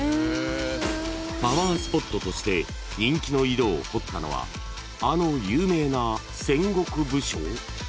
［パワースポットとして人気の井戸を掘ったのはあの有名な戦国武将？］